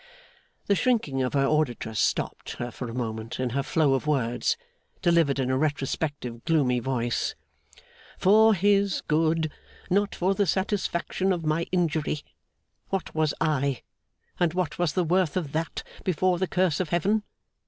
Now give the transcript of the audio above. The shrinking of her auditress stopped her for a moment in her flow of words, delivered in a retrospective gloomy voice. 'For his good. Not for the satisfaction of my injury. What was I, and what was the worth of that, before the curse of Heaven!